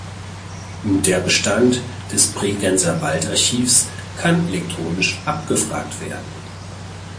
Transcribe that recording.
Der Bestand des Bregenzerwald Archivs kann elektronisch abgefragt werden.